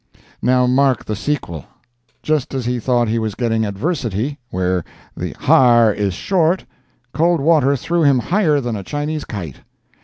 Now mark the sequel. Just as he thought he was getting adversity where "the har is short," cold water threw him higher than a Chinese kite.